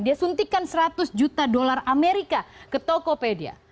dia suntikan seratus juta dolar amerika ke tokopedia